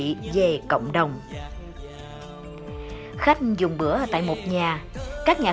khách dùng bữa tại một nhà các nhà khác sẽ mang món chuyên đến góp sau khi nhận được yêu cầu từ người hướng dẫn viên du lịch cũng có khi chính yêu cầu của khách